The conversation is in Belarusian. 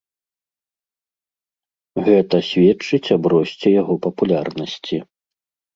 Гэта сведчыць аб росце яго папулярнасці.